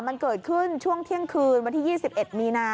มันเกิดขึ้นช่วงเที่ยงคืนวันที่๒๑มีนา